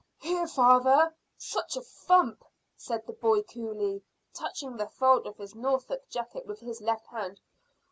"Here, father such a thump," said the boy coolly, touching the fold of his Norfolk jacket with his left hand.